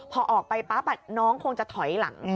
พอออกไปปั๊บน้องคงจะถอยหลัง